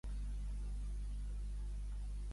Al bar hi havia coses del mar que ens arribaven així.